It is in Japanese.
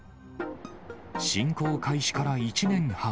侵攻開始から１年半。